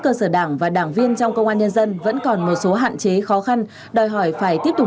cơ sở đảng và đảng viên trong công an nhân dân vẫn còn một số hạn chế khó khăn đòi hỏi phải tiếp tục